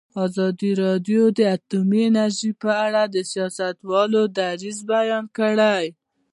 ازادي راډیو د اټومي انرژي په اړه د سیاستوالو دریځ بیان کړی.